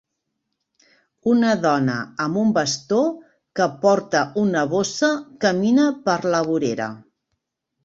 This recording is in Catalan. Una dona amb un bastó que porta una bossa camina per la vorera